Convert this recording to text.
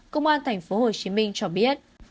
công an tp hcm cho biết